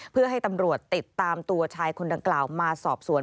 เพื่อให้ตำรวจติดตามตัวชายคนดังกล่าวมาสอบสวน